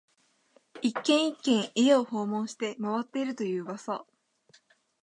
一軒、一軒、家を訪問して回っていると言う噂